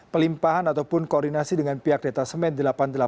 pelimpahan ataupun koordinasi dengan pihak detasemen delapan puluh delapan